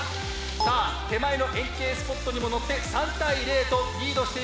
さあ手前の円形スポットにものって３対０とリードしています。